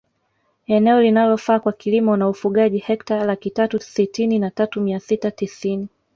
Eneo linalofaa kwa kilimo naufugaji hekta laki tatu sitini na tatu mia sita tisini